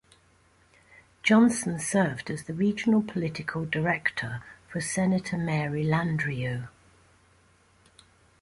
Johnson served as the regional political director for Senator Mary Landrieu.